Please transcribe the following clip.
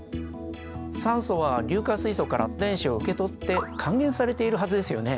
酸素は硫化水素から電子を受け取って還元されているはずですよね。